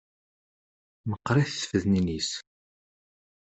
Meqqṛit tfednin-is.